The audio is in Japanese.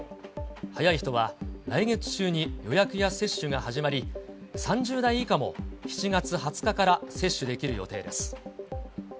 早い人は、来月中に予約や接種が始まり、３０代以下も、７月２０日から接種できる予定です。